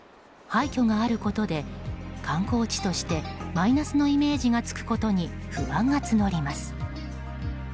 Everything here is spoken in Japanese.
廃虚があることで観光地としてマイナスのイメージがつくことに不安が募ります。